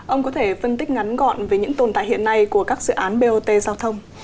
ông có thể phân tích ngắn gọn về những tồn tại hiện nay của các dự án bot giao thông